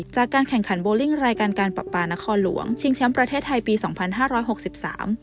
จากการแข่งขันโบลิ่งรายการการปรับปานครหลวงชิงแชมป์ประเทศไทยปีสองพันห้าร้อยหกสิบสาม